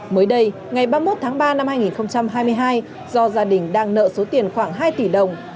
mới đây ngày ba mươi một tháng ba năm hai nghìn hai mươi hai do gia đình đang nợ số tiền khoảng hai tỷ đồng